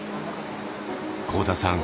幸田さん